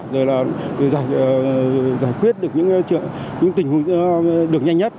rồi là giải quyết được những tình huống được nhanh nhất